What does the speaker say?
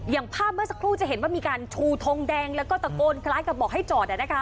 อย่างภาพเมื่อสักครู่จะเห็นว่ามีการชูทงแดงแล้วก็ตะโกนคล้ายกับบอกให้จอด